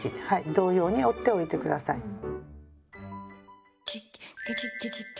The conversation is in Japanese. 同様に折っておいてください。